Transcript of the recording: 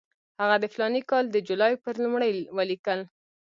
هغه د فلاني کال د جولای پر لومړۍ ولیکل.